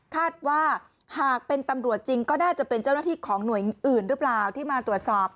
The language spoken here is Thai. คาดว่าหากเป็นตำรวจจริงก็น่าจะเป็นเจ้าหน้าที่ของหน่วยอื่นหรือเปล่าที่มาตรวจสอบ